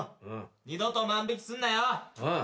二度と万引すんなよ。